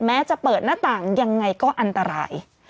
แม้จะเปิดหน้าต่างยังไงก็อันตราย